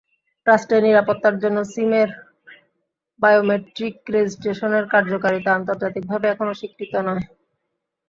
রাষ্ট্রের নিরাপত্তার জন্য সিমের বায়োমেট্রিক রেজিস্ট্রেশনের কার্যকারিতা আন্তর্জাতিকভাবে এখনো স্বীকৃত নয়।